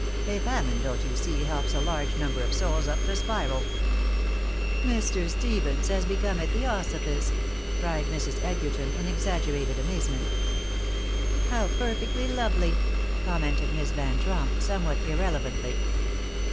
A famine, don't you see, helps a large number of souls up the spiral." "Mr. Stevens has become a theosophist," cried Mrs. Edgerton, in exaggerated amazement. "How perfectly lovely," commented Miss Van Tromp, somewhat irrelevantly.